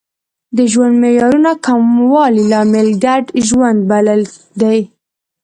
د ژوند معیارونو کموالی لامل ګډ ژوند بللی دی